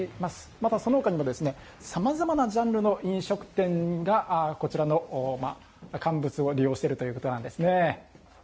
また、その他にもさまざまなジャンルの飲食店がこちらの乾物を利用しているということなんですね。